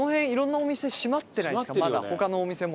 まだ他のお店も。